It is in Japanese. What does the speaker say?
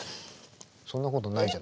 そんなことないじゃない。